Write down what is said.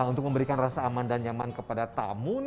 untuk memberikan rasa aman dan nyaman kepada tamu